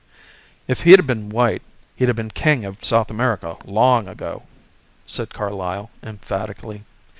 "If he'd been white he'd have been king of South America long ago," said Carlyle emphatically.